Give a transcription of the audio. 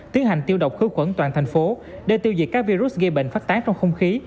tiến hành tiêu độc khử khuẩn toàn thành phố để tiêu diệt các virus gây bệnh phát tán trong không khí